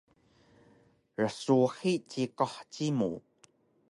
Rsuhi cikuh cimu